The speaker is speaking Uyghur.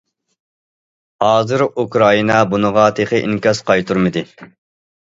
ھازىر ئۇكرائىنا بۇنىڭغا تېخى ئىنكاس قايتۇرمىدى.